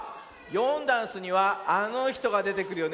「よんだんす」にはあのひとがでてくるよね。